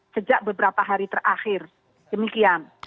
sejak beberapa hari terakhir demikian